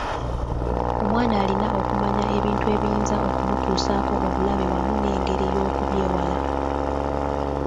Omwana alina okumanya ebintu ebiyinza okumutuusaako obulabe wamu n’engeri y’okubyewala.